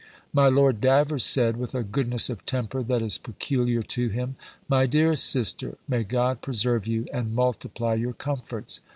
My Lord Davers said, with a goodness of temper that is peculiar to him, "My dearest sister, May God preserve you, and multiply your comforts!